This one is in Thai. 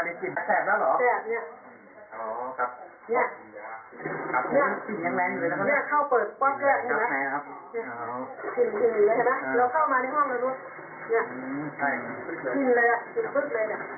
เนี้ยกลิ่นแสบแล้วหรอแสบเนี้ยอ๋อครับเนี้ยอ๋อเนี้ย